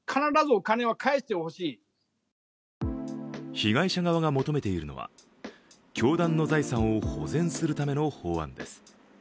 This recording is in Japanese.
被害者側が求めているのは教団の財産を保全するための法案です。